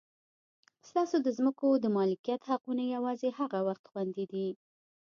ستاسو د ځمکو د مالکیت حقونه یوازې هغه وخت خوندي دي.